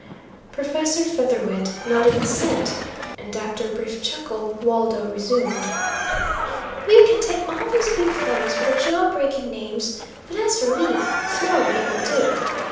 Professor Featherwit nodded assent, and, after a brief chuckle, Waldo resumed: "You can take all those big fellows with the jaw breaking names, but as for me, smaller game will do.